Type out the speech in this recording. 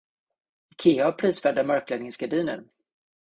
Ikea har prisvärda mörkläggningsgardiner.